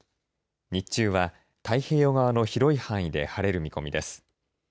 日中は、太平洋側の広い範囲で晴れる見込みです。